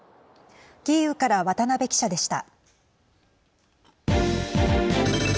キーウから渡辺記者でした。